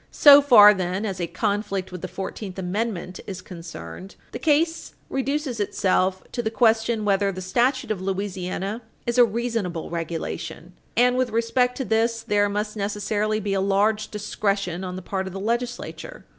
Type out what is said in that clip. So far, then, as a conflict with the Fourteenth Amendment is concerned, the case reduces itself to the question whether the statute of Louisiana is a reasonable regulation, and, with respect to this, there must necessarily be a large discretion on the part of the legislature.